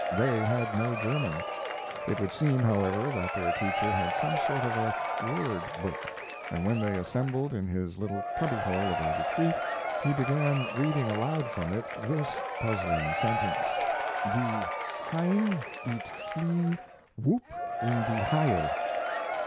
They had no German. It would seem, however, that their teacher had some sort of a "word book," and when they assembled in his little cubby hole of a retreat he began reading aloud from it this puzzling sentence: "De hain eet flee whoop in de hayer."